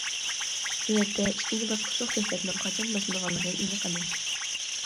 نۆۋەتتە ئىككىنچى باسقۇچلۇق سۆھبەتنىڭ قاچان باشلىنىدىغانلىقى ئېنىق ئەمەس.